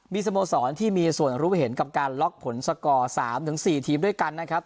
มีสโมสรที่มีส่วนรู้เห็นกับการล็อกผลสกอร์๓๔ทีมด้วยกันนะครับ